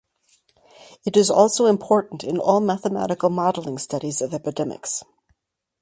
It is also important in all mathematical modelling studies of epidemics.